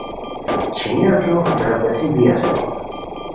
چھینی ہتو ہتیرا پیڅھی بی اسونی